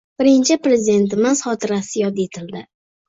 Birinchi Prezidentimiz xotirasi yod etildi